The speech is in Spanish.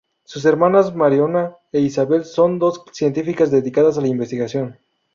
Sus hermanas Mariona e Isabel son dos científicas dedicadas a la investigación.